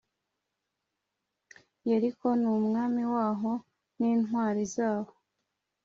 Yeriko n umwami waho n intwari zaho